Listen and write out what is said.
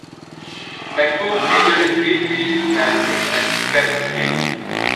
McCoo majored in recreational management at Penn State.